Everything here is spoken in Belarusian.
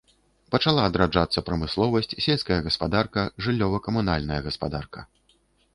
Пачала адраджацца прамысловасць, сельская гаспадарка, жыллёва-камунальная гаспадарка.